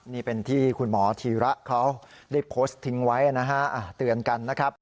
นี่เป็นที่คุณหมอธีระเขาได้โพสต์ทิ้งไว้นะฮะเตือนกันนะครับ